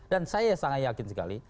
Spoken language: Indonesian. dan saya sangat yakin sekali